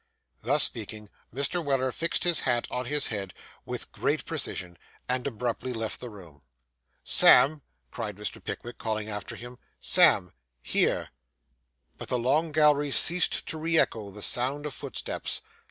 Thus speaking, Mr. Weller fixed his hat on his head with great precision, and abruptly left the room. 'Sam!' cried Mr. Pickwick, calling after him, 'Sam! Here!' But the long gallery ceased to re echo the sound of footsteps.